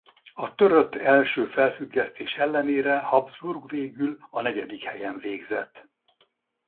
A törött első felfüggesztés ellenére Habsburg végül a negyedik helyen végzett.